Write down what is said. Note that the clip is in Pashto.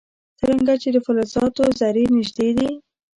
څرنګه چې د فلزاتو ذرې نژدې دي.